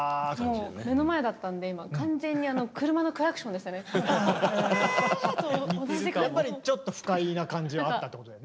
もう目の前だったんで今完全にやっぱりちょっと不快な感じはあったってことだね。